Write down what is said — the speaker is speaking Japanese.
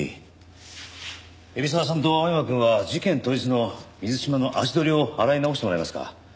海老沢さんと青山くんは事件当日の水島の足取りを洗い直してもらえますか。